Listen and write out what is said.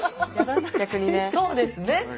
そうですね。